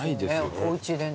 おうちでね。